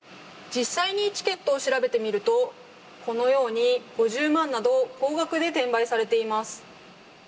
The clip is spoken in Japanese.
実際にチケットを調べてみるとこのように５０万など高額で転売されています。